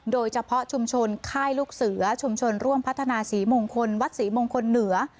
โดยเฉพาะชุมชนค่ายลูกเสือชุมชนร่วมพัฒนาศรีมงคลวัดศรีมงคลเหนือ